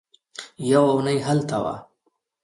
يوه اوونۍ هلته وه.